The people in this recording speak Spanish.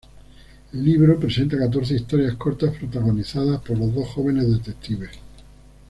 El libro presenta catorce historias cortas protagonizadas por los dos jóvenes detectives.